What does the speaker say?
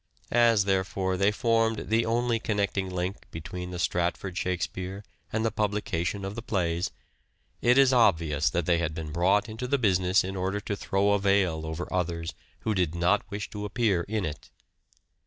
As, therefore, they formed the only connecting link between the Stratford Shakspere and the publica tion of the plays, it is obvious that they had been brought into the business in order to throw a veil over others who did not wish to appear in it.